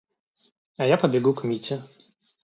А я побегу к Мите.